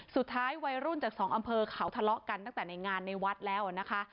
สุดท้ายวัยรุ่นจากสองอำเภอเขาทะเลาะกันตั้งแต่ในงานในวัดแล้วนะคะ